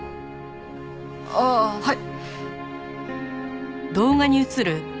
ああはい！